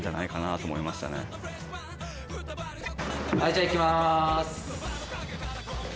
じゃあ、いきます。